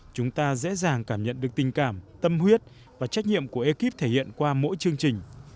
chúng ta dễ dàng cảm nhận được tình cảm tâm huyết và trách nhiệm của ekip thể hiện qua mỗi chương trình